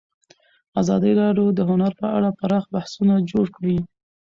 ازادي راډیو د هنر په اړه پراخ بحثونه جوړ کړي.